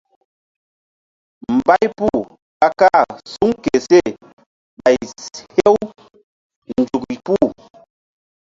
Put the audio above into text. Mbay puh ka kah suŋ ke seh ɓay hew nzuk puh.